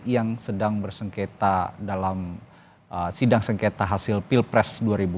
yang sedang bersengketa dalam sidang sengketa hasil pilpres dua ribu dua puluh